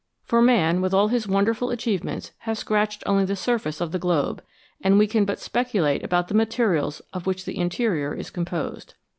For man, with all his wonderful achievements, has scratched only the surface of the globe, and we can but speculate about the materials of which the interior is composed.